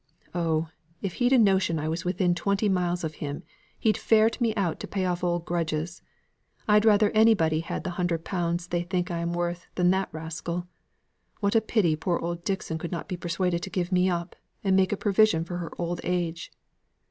Oh, if he'd a notion I was within twenty miles of him, he'd ferret me out to pay all old grudges. I'd rather anybody had the hundred pounds they think I am worth than that rascal. What a pity poor old Dixon could not be persuaded to give me up, and make a provision for her old age!"